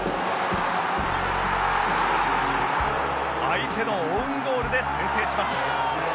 相手のオウンゴールで先制します